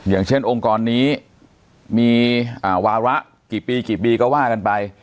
อย่างเช่นองค์กรนี้มีวาระกี่ปีกี่ปีก็ว่ากันไป